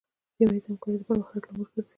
سیمه ایزه همکارۍ د پرمختګ لامل ګرځي.